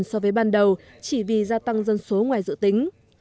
so với ban đầu chỉ vì gia tăng dân số ngoài dự tính